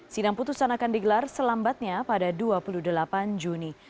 sidang putusan akan digelar selambatnya pada dua puluh delapan juni